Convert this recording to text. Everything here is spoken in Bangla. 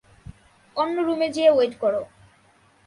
অন্য রুমে যেয়ে ওয়েট কর।